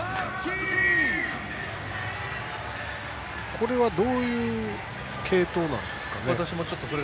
これはどういう継投なんですかね。